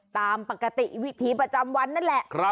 ตามปกติวิถีประจำวันนั่นแหละ